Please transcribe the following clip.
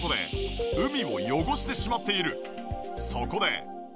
そこで。